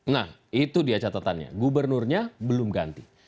nah itu dia catatannya gubernurnya belum ganti